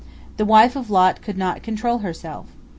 The wife of Lot could not control herself.